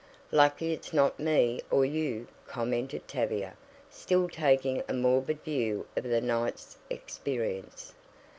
"Lucky it's not me or you," commented Tavia, still taking a morbid view of the night's experience.